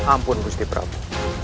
ampun gusti prabu